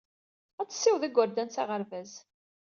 Ad tessiweḍ igerdan s aɣerbaz.